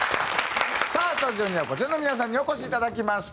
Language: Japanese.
さあスタジオにはこちらの皆さんにお越しいただきました。